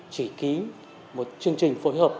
chỉ ký một chương trình phối hợp